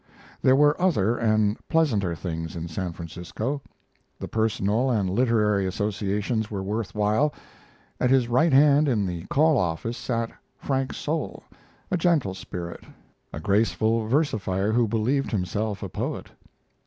There were other and pleasanter things in San Francisco. The personal and literary associations were worth while. At his right hand in the Call office sat Frank Soule a gentle spirit a graceful versifier who believed himself a poet.